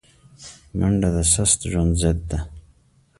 منډه د سست ژوند ضد ده